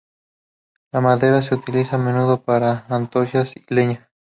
La madera se utiliza a menudo para antorchas y leña.